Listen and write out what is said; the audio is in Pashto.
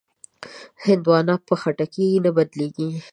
هندوانه په خټکي نه بدلېږي.